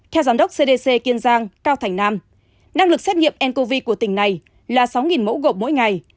theo giám đốc cdc kiên giang cao thành nam năng lực xét nghiệm ncov của tỉnh này là sáu mẫu gộp mỗi ngày